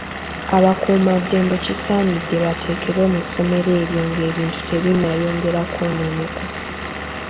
Abakuumaddembe kisaanidde bateekebwe mu ssomero eryo ng'ebintu tebinnayongera kw'onooneka.